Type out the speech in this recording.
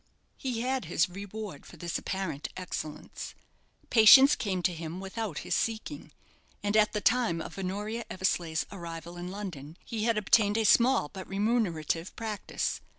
He had his reward for this apparent excellence. Patients came to him without his seeking; and at the time of Honoria Eversleigh's arrival in London he had obtained a small but remunerative practice.